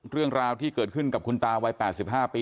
เรื่องราวที่เกิดขึ้นกับคุณตาวัย๘๕ปี